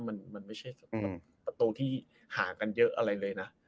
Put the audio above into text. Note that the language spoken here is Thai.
มันไม่ใช่บัตรตรูที่หากันเยอะอะไรเลยนะ